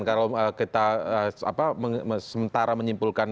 kalau kita sementara menyimpulkan